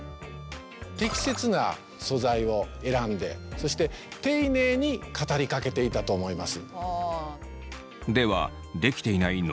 適切な素材を選んでそして丁寧に語りかけていたと思います。